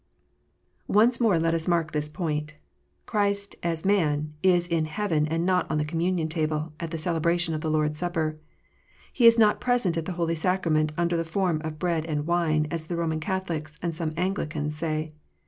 Once more let us mark this point. Christ, as man, is in heaven and not on the Communion Table, at the celebration of the Lord s Supper. He is not present at that holy sacrament under the form of bread and wine, as the Eoman Catholics, and some Anglicans, say.